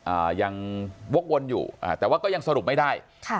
อ่ายังวกวนอยู่อ่าแต่ว่าก็ยังสรุปไม่ได้ค่ะ